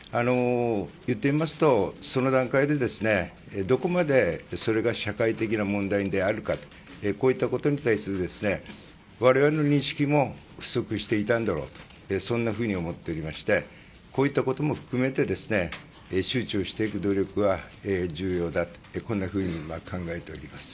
言ってみますと、その段階でどこまでそれが社会的な問題であるかこういったことに対する我々の認識も不足していたんだろうとそんなふうに思っておりましてこういったことも含めて周知をしていく努力は重要だと考えております。